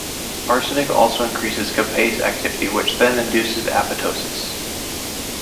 Arsenic also increases caspase activity which then induces apoptosis.